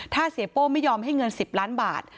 ถ้าเสียโป้ไม่ยอมให้เงิน๑๐ล้านบาท